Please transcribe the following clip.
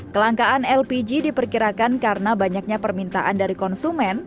kelangkaan lpg diperkirakan karena banyaknya permintaan dari konsumen